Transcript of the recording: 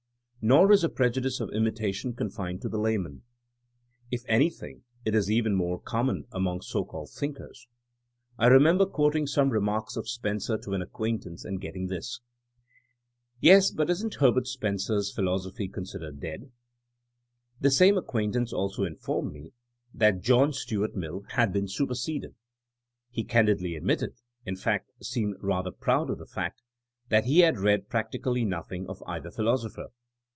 Nor is the prejudice of imitation confined to the layman. If anything, it is even more com mon among so called *^ thinkers. '* I remember THINEINa AS A SCIENCE 117 quoting some remark of Spencer to an acquaint ance, and getting this :Yes, but isn 't Herbert Spencer's philosophy considered deadf This same acquaintance also informed me that John Stuart Mill had been '* superseded. '' He can didly admitted — ^in fact seemed rather proud of the fact — ^that he had read practically noth ing of either philosopher.